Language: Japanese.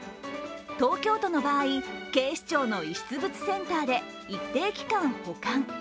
東京都の場合、警視庁の遺失物センターで一定期間保管。